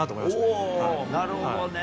おぉなるほどね。